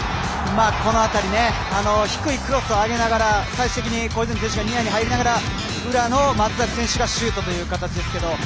この辺り低いクロスを上げながら最終的に小泉選手がニアに入りながら裏の松崎選手がシュートという形ですけど。